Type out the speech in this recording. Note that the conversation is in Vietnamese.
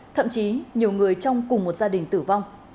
thậm chí nhiều người trong cùng một gia đình tử vong